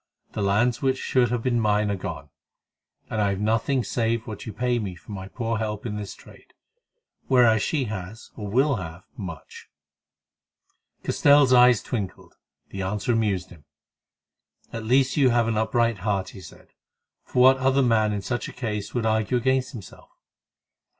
The lands which should have been mine are gone, and I have nothing save what you pay me for my poor help in this trade; whereas she has, or will have, much." Castell's eyes twinkled; the answer amused him. "At least you have an upright heart," he said, "for what other man in such a case would argue against himself?